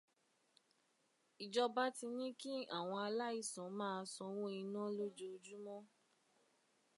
Ìjọba ti ní kí àwọn aláìsàn máa sanwó iná lójoojúmọ́.